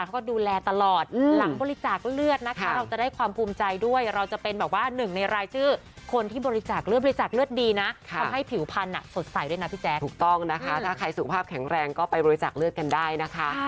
จะต้องช่วยผู้ป่วยเหล่านั้นได้แน่นอน